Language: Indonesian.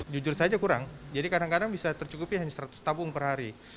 jujur saja kurang jadi kadang kadang bisa tercukupi hanya seratus tabung per hari